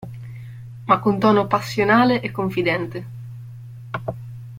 Ma con tono passionale e confidente.